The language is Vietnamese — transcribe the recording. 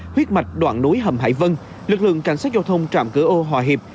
huyết mạch đoạn núi hầm hải vân lực lượng cảnh sát giao thông trạm cửa ô hòa hiệp